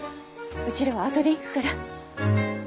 うちらは後で行くから。